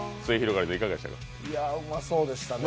うまそうでしたね。